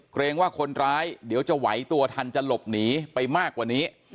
เกรงว่าคนร้ายเดี๋ยวจะไหวตัวทันจะหลบหนีไปมากกว่านี้